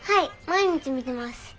毎日見てます。